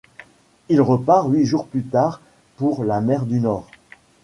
Il repart huit jours plus tard pour la mer du Nord.